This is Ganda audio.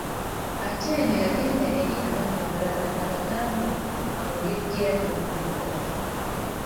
Atieno yagenda eri abaana abalala abagambe ku ngeri gye yali omunakuwavu.